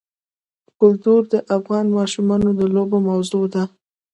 کلتور د افغان ماشومانو د لوبو موضوع ده.